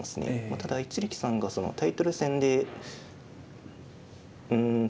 ただ一力さんがタイトル戦で。